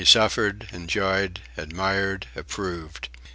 He suffered, enjoyed, admired, approved.